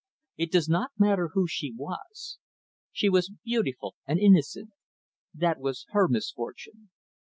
It does not matter who she was. She was beautiful and innocent That was her misfortune.